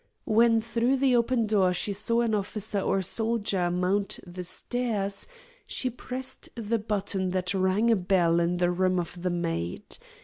When through the open door she saw an officer or soldier mount the stairs, she pressed the button that rang a bell in the room of the maid.